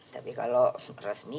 tapi kalau resmi